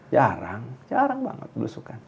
jarang jarang banget belusukan